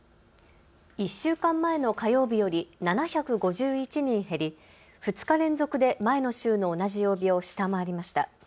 １週間前の火曜日より７５１人減り、２日連続で前の週の同じ曜日を下回りました。